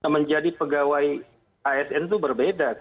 menjadi pegawai asn itu berbeda